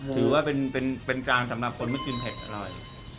ถือว่าเป็นกลางสำหรับคนไม่กินเผ็ดอร่อย